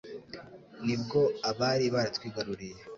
Ni bwo abari baratwigaruriye